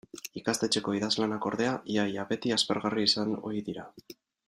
Ikastetxeko idazlanak, ordea, ia-ia beti aspergarri izan ohi dira.